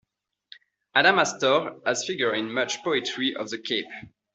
Adamastor has figured in much poetry of the Cape.